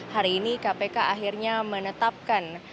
hari ini kpk akhirnya menetapkan